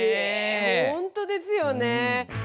本当ですよね。